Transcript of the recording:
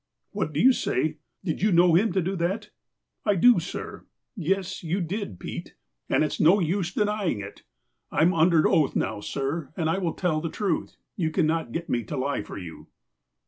"What do you say? Did you know him to do that?" " I do, sir. — Yes, you did, Pete, and it is no use deny 212 THE APOSTLE OF ALASKA iug it. I am under oath now, sir, aud I will tell the truth. You cannot get me to lie for you."